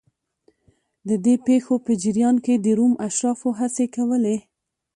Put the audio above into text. د دې پېښو په جریان کې د روم اشرافو هڅې کولې